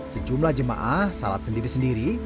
sejumlah jemaah salat sendiri sendiri